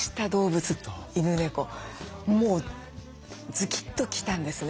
もうズキッと来たんですね。